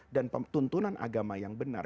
dan tuntunan agama yang benar